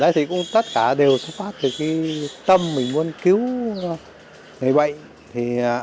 tất cả đều xuất phát từ cái tâm mình muốn cứu người bệnh